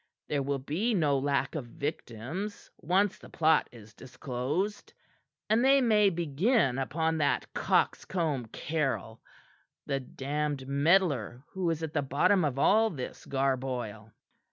There will be no lack of victims once the plot is disclosed; and they may begin upon that coxcomb Caryll the damned meddler who is at the bottom of all this garboil."